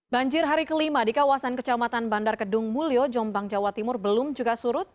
banjir hari kelima di kawasan kecamatan bandar kedung mulyo jombang jawa timur belum juga surut